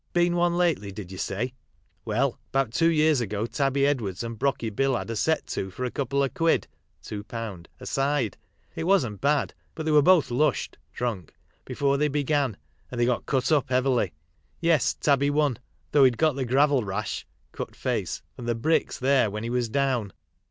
Been one lately, did you say ? Well, about two years ago Tabby Edwards and Brocky Bill had a set to for a couple 0' quid (£2) a side. It wasn't bad, but they were both lushed (drunk) before they be* an, and they got cut up heavily. Yes, Tabby won, though he'd got the gravel rash (cut face) from the bricks there when he was down.